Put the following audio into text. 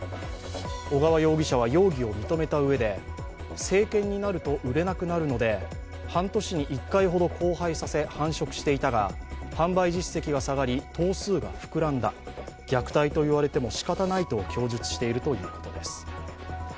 尾川容疑者は容疑を認めたうえで成犬になると売れなくなるので、半年に１回ほど交配させ繁殖していたが販売実績が下がり頭数が膨らんだ、虐待と言われてもしかたないと供述しているということです。